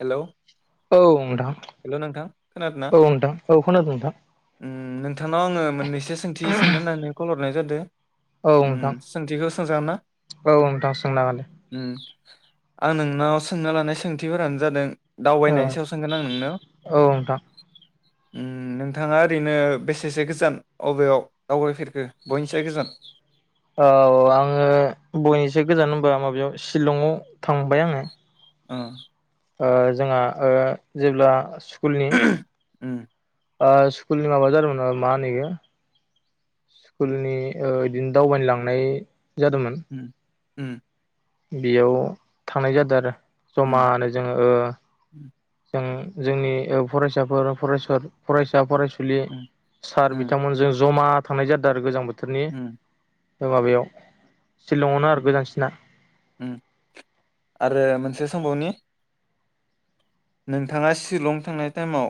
Hello औ नोंथां hello नोंथां खोनादों ना औ नोंथां औ खोनादों नोंथां उम नोंथांनाव आङो मोननैसो सोंथि सोंनो होननानै कल हर हरनाय जादो औ नोंथां औ नोंथां सोंनो हागोन दे। उम आं नोंनाव सोंना लानाय सोंथिफोरानो जादों औ दावबायनायनि सायाव सोंगोन आं नोंनियाव। औ नोंथां उम नोंथाङा ओरैनो बेसेसो गोजान अबेयाव दावबायफेरखो बयनिसाय गोजान? औ आङो बयनिसाय गोजान होनबा माबायाव शिलंआव थांबाय आङो। उम ओ जोंहा ओ जेब्ला सु स्कुलनि उम ओ स्कुलनि माबा जादोंमोन ना होनो इयो स्कुलनि बिदिनो दावबायनो लांनाय जादोंमोन उम उम बेयाव थांनाय जादों आरो। उम जमानो जोङो ओ जों जोंनि ओ फरायसाफोर फरायसर फरायसा फरायसु सुलि उम सार उम बिथांमोनजों जमा। थांनाय जादों आरो गोजां बोथ थोरनि। उम दोंङो बेयाव। सिलंआवनो आरो उम गोजांसिना। से समावनो। नोंथाङा सिलं थांनाय टाइमाव।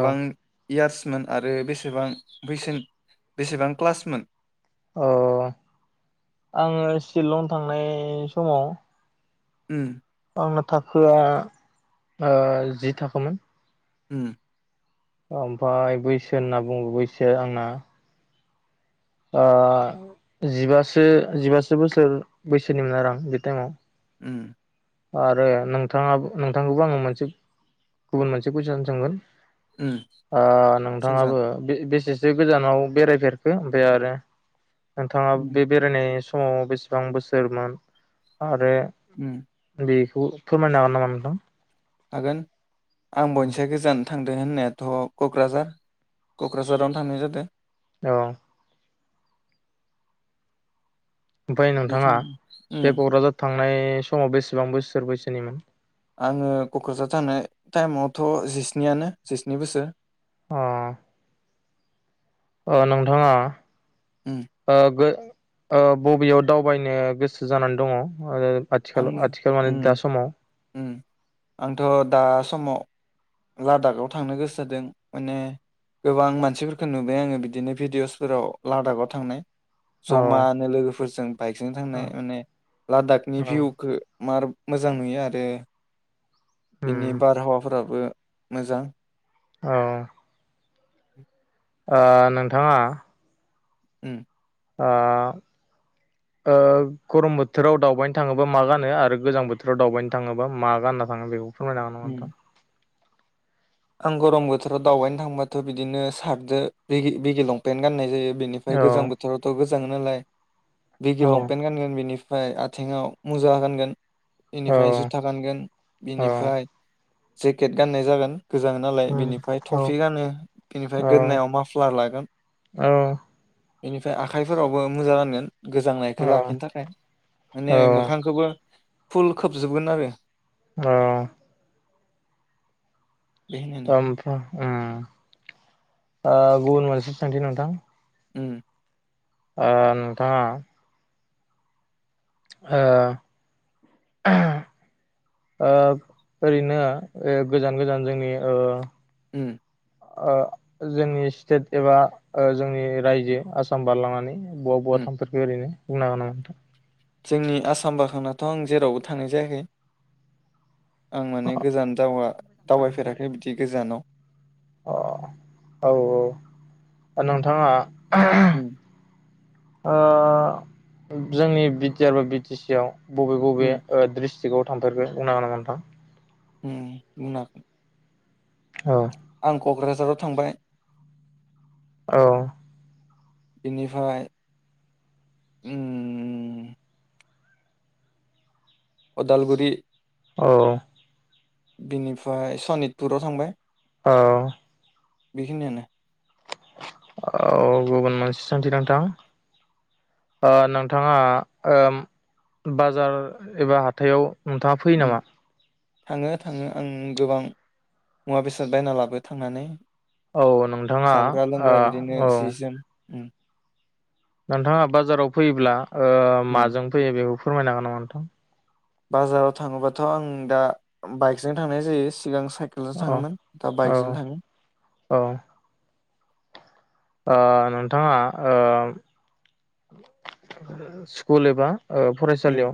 औ इयार्समोन आरो बेसेबां बैसोन बेसेबां क्लासमोन। अ आङो सिलं थांनाय समाव। ओम। आंना थाखोआ ओ जि थाखोमोन। ओम। ओ ओमफ्राय बैसो होनना बुंङो बैसो आंना। ओ जिबासो जिबासो बोसोर बैसोनिमोन आरो आं बे टाइमाव। ओम। आरो नोंथाङाबो नोंथांखौबो आङो मोनसे गुबुन मोनसे कुजसन सोंगोन। उम सोंजागोन नोंथाङाबो बे बेसेस से गोजानाव बेरायफेरखो ओमफ्राय आरो। नोंथाङा उम बे बेरायनाय स समाव बेसेबां बोसोरमोन आरो? उम। बेखौ फोरमायनो हागोन नामा नोंथां? हागोन। आं मोनसे गोजान। थांदों होननायाथ कक्राझार कक्राझारावनो थांनाय जादों। औ। ओमफ्राय नोंथाङा बेखिनि उम बे कक्राझार थांनाय स समाव बेसेबां बोसोर बैसोनिमोन? आङो कक्राझार थनाय टाइमावथ जिस्नियानो जिस्नि बोसोर। अ। अ नोंथाङा। उम ओ गो। ओ बबेयाव दावबायनो गोसो जानानै दङ ओ। आङो उम उम आंथ दा समाव लादाखाव थांनो गोसो जादों माने गोबां मानसिफोरखौ नुबाय आङो बिदिनो भिडिअसफोराव लादाखाव थांनाय। औ जमानो लोगोफोरजों बाइकजों औ थांनाय माने लादाख नि औ भिउखौ मार मोजां नुयो आरो। उम बिनि बारहावाफोराबो मोजां। औ। ओ नोंथाङा उम। ओ ओ गरम बोथोराव दावबायनो थाङोबा मा गानो आरो गोजां बोथोराव दावबायनो थाङोबा मा गानना थाङो बेखौ फोरमायनो हागोन नामा नोंथां? आं गरम बोथोराव दावबायनो थांबाथ बिदिनो सार्टजों बिगि बिगि लंपेन्ट गाननाय जायो। बेनिफ्राय औ गोजां बोथोरावथ गोजसै जाङो नालाय औ बेगि लंपेन्ट गानगोन बिनि ओमफ्राय आथिङाव मुजा गानगोन। औ बेनिफाय जुथा गानगोन औ बिनिफाय जेकेट गाननाय जागोन। गोजाङो नालाय उम बेनिफाय औ टफि गानो बेनिफाय औ गोदोनायाव माफ्ला लागोन। बेनिफाय आखाइफोरावबो मुजा गानगोन। गोजांनायखौ औ लाखिनो थाखाय औ माने मोखांखौबो फुल खोबजोबगोन आरो। औ। बेहायनो ओमफ्रा उम ओ गुबुन मोनसे सोंथि नोंथां। उम। ओ नोंथाङा ओ ओ ओरैनो ओ गोजान गोजान जोंनि ओ उम। ओ जोंनि स्टेट एबा ओ जोंनि रायजो आसाम बारलांनानै बहा बहा उम थांफेरखो ओरैनो? बुंना होनो नोंथां। जोंनि आसाम बारखांनाथ आं जेरावबो थांनाय जायाखै। आं माने गोजान दावा दावबायफेराखै बिदि गोजानाव। अ औ औ ओ नोंथाङा उम। ओ जोंनि बि टि आर बा बि टि सि आव बबे बबे उम ओ द्रिस थिखङाव थांफेरगो बुंनो हागोन नामा नोंथां? ओम बुंनो हागोन। औ आं क'क्राझाराव थांबाय औ बिनिफ्राय ओम उदालगुरि औ बिनिफ्राय सनितपुराव थांबाय औ बेखिनियानो औ गुबुन मोनसे सोंथि नोंथां नोंथाङा ओ बाजार एबा हाथायाव नोंथाङा फैयो उम नामा? थाङो थाङो आं गोबां मुवा बेसाद बायना लाबो थांनानै औ नोंथाङा जाग्रा ओ लोंग्रा बिदिनो औ जि जोम उम नोंथाङा बाजाराव फैयोब्ला ओ उम माजों फैयो बे फोरमायनो हागोन नामा नोंथां बाजाराव थाङोबाथ' आं दा बाइकजों थांनाय जायो। सिगां साइकेलजों अ थाङोमोन दा औ बाइकजों थाङो औ ओ नोंथाङा ओ स्कुल एबा ओ उम फरायसालियाव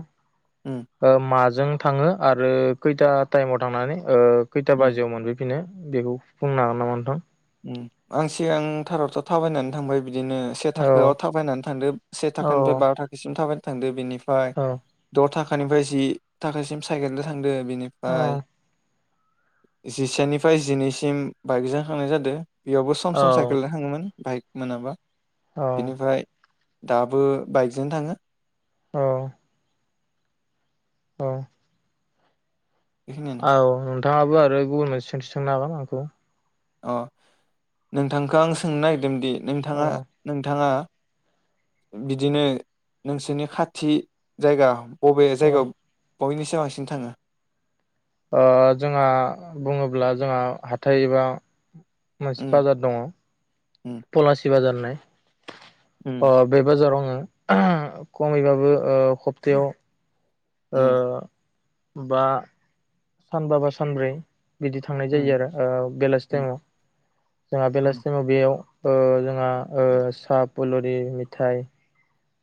उम ओ मा जों थाङो आरो खैथा टाइमाव थांनानै ओ खैथा उम बाजियाव मोनफैफिनो बेखौ बुंनो हागोन नामा नोंथां? उम आं सिगांथारावथ' थाबायनानै थांबाय बिदिनो से औ थाखोआव थाबायनानै थांदो से थाखानिफ्राय औ बा थाखोसिम थाबाय थांदो बेनि फाय औ द' थाख खोनिफाय जि थाखोसिम सायखेलजों थां दो औ बिनिफाय जिसेनिफ्राय जिनैसिम बाइकजों हांनाय जादो दो बेयावबो सम सम औ साइकेलदो थाङोमोन बाइक मोनाबा औ बेनिफ्राय दाबो बाइकजों थाङो औ औ बेखिनियानो औ नों थाङाबो आरो गुबुन मोनसे सोंथि सोंनो हागोन आंखौ अ नोंथांखो आं सोंनो नागिरदों दि औ नोंथाङा नोंथाङा बिदिनो नोंसोरनि खाथि जायगा बबे औ जायगायाव बयनिसाय बांसिन थाङो। ओ जोंहा बुङोब्ला जोंहा हाथाय एबा मोनसे उम बाजार दङ। उम पलासि बाजार होननाय। उम [inaudible] अ' बे बाजाराव आङो खमैबाबो ओ खपथायाव ओ बा सानबा बा सानब्रै बिदि थांनाय जायो उम आरो ओ बेलासि उम टाइमाव जोंहा बेलासि उम टाइमाव बेयाव ओ जोंहा ओ सा पुलरि मिथाइ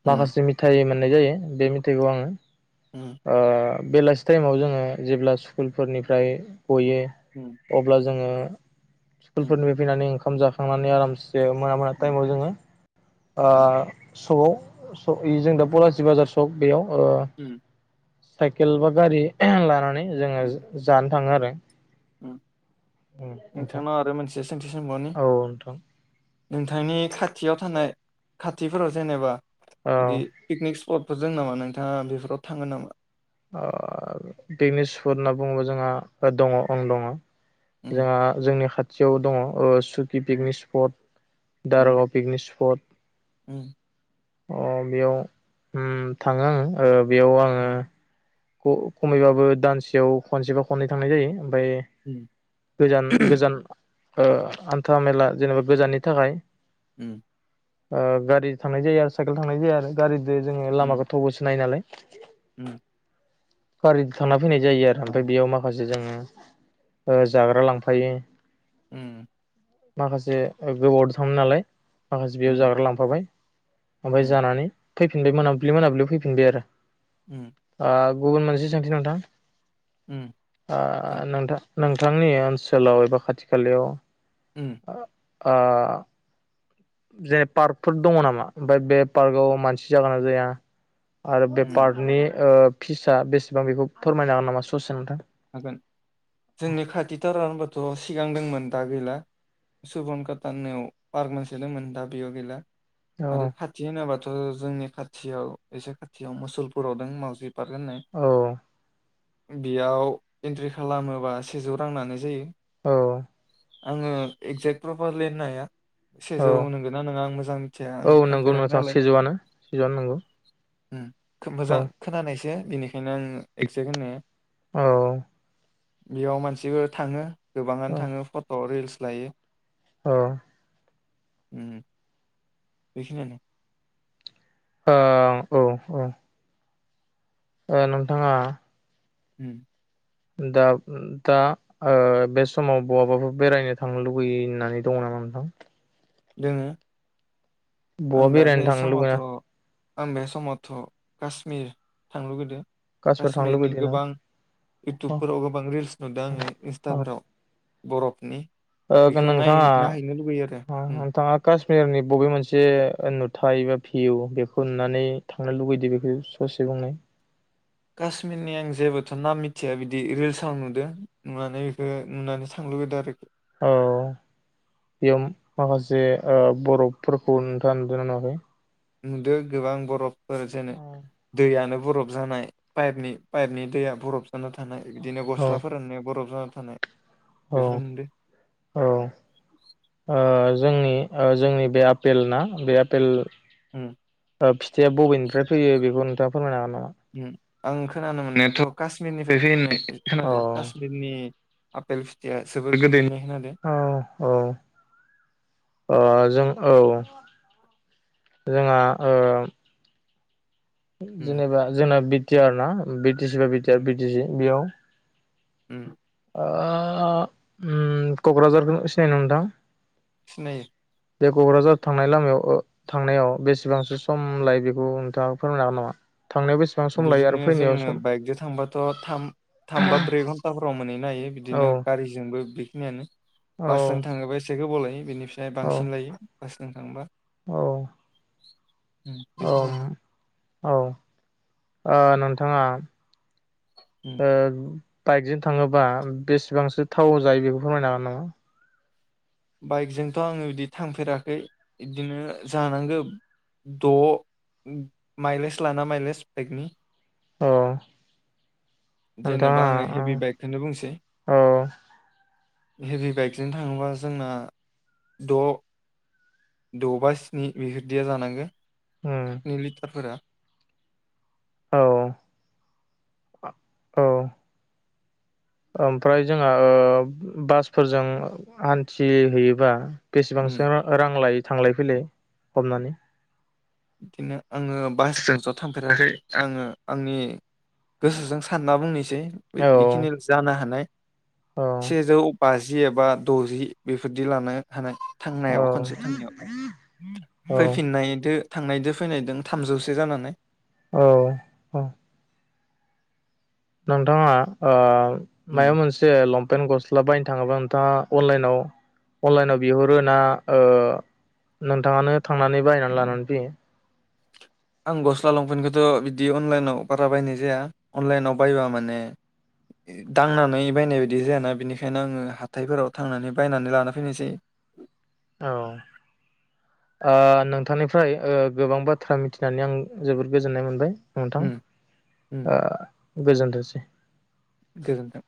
उम माखासे मिथाइ मोन नाय जायो बे मिथाइखौ आङो उम ओ बेलासि टाइमाव जोङो जेब्ला स्कुलफोरनिफ्राय गयो उम अब्ला जोङो [inaudible] उम स्कुलफोरनिफ्राय फैनानै ओंखा खाम जाखांनानै आरामस जे मोना मोना टाइमाव जोङो आ सगाव स इ जों दा पलासि बाजार सक बेयाव अ' उम साइकेल बा गारि लानानै जोङो उम ज-जानो थाङो आरो। उम उम खोनथा नोंथांनाव आरो मोनसे सोंथि सोंबावनि औ नोंथां। नोंथांनि खाथियाव थानाय खाथिफोराव जेनेबा दि औ पिकनिक सपटफोर जों नामा नोंथाङा बेफोराव थांङो नामा? ओ पिकनिक स्पट होनना बुङोबा जोंहा ओ दङ औ दङ उम जोंहा जोंनि खाथ खाथियाव दङ‌ ओ सुकि उम पिकनिक स्पट उम दारागाव पिकनिक स्पट। उम अ बेयाव उम थाङो आङो बेयाव आङो ख-खमैबाबो दानसेयाव खनसेबा खननै थांनाय जायो। ओमफ्राय गोजान गोजान ओ हान्था मेला जेनेबा गोजाननि थाखाय उम ओ गारि थांनाय जायो आरो साइकेलजों थांनाय जाया आरो गारि दे जोङो लामाखौ गोथौ खौसो नायो नालाय [inaudible] उम गारि थांना फैनाय जायो आरो ओमफ्राय बेयाव माखासे जोङो ओ जाग्रा लांफायो। उम माखासे ओ गोबावदो थांङो नालाय माखासे बेयाव जाग्रा लांफाबाय। ओमफाय जानानै फैफिनबाय मोनाबिलि मोनाबिलियाव फैफिनबाय आरो आ गुबुन मोनसे सोंथि नोंथां ओ नोंथां नोंथांनि ओनसोलाव एबा खाथि खालायाव उम ओ जे पार्कफोर दङ नामा ओमफ्राय बे पार्कआव मानसि जागोना जाया आरो बे पार्नि ओ फिसा बेसेबां बेखौ फोरमायनो हागोन नामा ससे नोंथांङा हागोन सिगांदोंमोन दा गैला सुबन काटा होननायाव पार्क मोनसे दंमोन दा बेयाव गैला आरो औ खाथि होनाबा थ जोंनि खाथियाव एसे खाथियाव मुसुलफुराव दों मावाजि पार्क होननाय औ बेयाव एन्ट्रि खालामोबा सेजौ रां लानाय जायो औ आङो एक्जेक्ट प्रपार लिहोननो हाया सेजौ औ नंगोनना नङा आं मोजां मिथिया आं औ नंगौ थांफेराखै नोंथां नालाय सेजौआनो सेजौआनो नंगौ उम मोजां औ खोनानायसो बेनिखायनो आं एक्जेक्ट होनो औ बेयाव मानसिबो थाङो गोबाङानो थाङो फट रिल्स लायो अ उम बेखिनियानो ओं औ औ ओ नोंथाङा उम दाब दा ओ बे समाव बहाबाफोर बेरायनो थांनो लुुबैनानै दङ नामा नोंथां? दोङो आं बहा दा बे बेरायनो समावथ' थांनोलुबैया आं बे समावथ कासमिर थांनो लुगैदों काश्मीर थांनो कासमिरनि लुबैदोंना गोबां औ इउटुबफोराव गोबां रिल्स नुदों आङो औ इन्स्टाफोराव बरफोरनि ओ बेखौ नाय नोंथाङा नायहैनो लुबैयो आरो उम नोंथाङा कासमिरनि बबे मोनसे नुथाय बा भिउ बेखौ नुनानै थांनो लुबैदों बेखौ ससे बुंनाय कासमिरनि आं जेबोथ नाम मिथिया बिदि रिल्स आव नुदों नुनानै बेखौ नुनानै थांलुगैदों आरोखि औ बेयाव माखासे बरफोरखौ नोंथाङा नुदोना नुआखै नुदों गोबां बरफ ओ जेरै दैआनो बरफ जानाय पायेपनि पायेपनि दैया बरफ जाना थानाय बिदिनो गस्लाफोराननाया बरफ जाना थानाय बेफोरखौ नुदो औ-औ ओ जोंनि ओ जोंनि बे आपेल ना बे आपेल उम ओ फिथाइया बबेनिफ्राय फैयो बेखौ नोंथां फोरमायनो हागोन नामा ओम आं खोनानो मोननायाथ' काश्मिरनिफ्राय फैनाय औ खोनादों कश्मिरनि आपेल फिथाया सोबोर गोदैनो औ औ ओ जों औ जोंहा ओ उम जेनेबा जोंना बि थि आरोना बि [unintelligible] आर उम बि टि सि बेयाव उम ओ उम कक्राझारखौ सिनायनो नोंथां सिनायो बेे कक्राझार थांनाय लामायाव ओ थांनायाव बेसेबांसो सम लायो बेखौ नोंथाङा फोरमायनो हागोन नामा? थांनायाव बेसेबां सम लायो आरो बिदिनो फैनायाव जोङो सम बाइकजों थांबाथ' थाम-थाम बा ब्रै घन्टाफोराव मोनहैयो नायो औ बिदिनो गारिजोंबो मेनो औ बासजों थाङोबा एसे गोबाव लाय बेनि साया औ बांसिन लायो बासजों थांबा औ उम ओम बेखिनियानो औ ओ नोंथांङा उम ओ बाइकजों थाङोबा बेसेबांसो थाव जायो बेखौ फोरमायनो हागोन नामा? बाइकजोंथ' आङो बिदि थांफेराखै बिदिनो जानांगौ द माइलेज लाना माइलेज बाइकनि अ जेनेबा आङो हेभि बाइकखौनो बुंनोसै औ हेभि बाइकजों थाङोबा जोंना द' द' बा स्नि बेफोरदिया जानांगौ उम नै लिथारफोरा औ औ ओमफ्राय जोंहा ओ बासफोरजों हान्थिहैयोबा उम बेसेबांसो रा-रां लायो? थांलाय फैलाय हमनानै बिदिनो आङो बासजों ज' थांफेराखै आङो आंनि गोसोजों सानना बुंनोस सै बि औ इखिनि जानो हानाय सेजौ बाजि एबा द'जि बेफोरदि लानो हानाय औ थांनायाव खनसे थांनायाव औ फैफिननायदो थांनायदो फैनायदों थामजौसे जानो हानाय। औ औ नोंथांङा ओ उम मायाव मोनसे लमपेन गस्ला बाय योबा नोंथांङा अनलाइनाव अनलाइनाव बिहरो ना ओ नोंथांङानो थांनानै बायनानै उम। लानानै फैयो। आं गस्ला लंपेन्टखौथ' बिदि अनलाइनाव बारा बायनाय जाया अनलाइनाव बायबा माने ए दांनानै बायनाय बायदि जायाना बिनिखायनो आंङो हाथायफोराव थांनानै बायनानै लाना फैनोसै। औ ओ नोंथांनिफ्राय ओ गोबां बाथ्रा मिथिनानै आं जोबोद गोजोननाय मोनबाय। नोंथां उम उम ओ गोजोन्थोंसै। गोजोनथों।